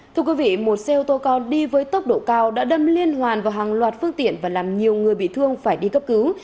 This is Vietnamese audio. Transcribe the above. thưa quý vị một xe ô tô con đi với tốc độ cao đã đâm liên hoàn vào hàng loạt phương tiện và làm nhiều người bị thương phải đi cấp cứu